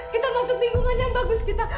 kita masuk lingkungan yang bagus kita